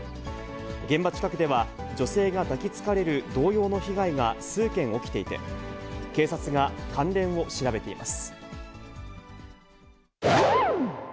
現場近くでは、女性が抱きつかれる同様の被害が数件起きていて、警察が関連を調べています。